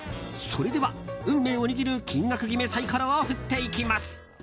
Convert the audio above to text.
それでは運命を握る金額決めサイコロを振っていきます。